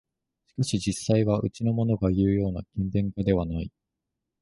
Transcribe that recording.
しかし実際はうちのものがいうような勤勉家ではない